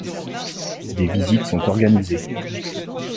Des visites sont organisées.